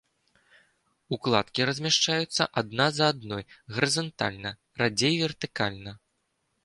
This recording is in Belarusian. Укладкі размяшчаюцца адна за адной гарызантальна, радзей вертыкальна.